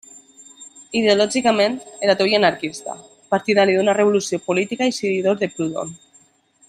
Ideològicament, era ateu i anarquista, partidari d'una revolució política i seguidor de Proudhon.